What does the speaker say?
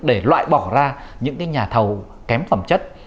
để loại bỏ ra những nhà thầu kém phẩm chất